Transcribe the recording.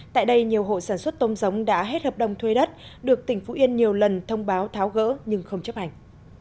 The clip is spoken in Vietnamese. tại đây nhiều hộ sản xuất tôm giống đã hết hợp đồng thuê đất được tỉnh phú yên nhiều lần thông báo tháo gỡ nhưng không chấp hành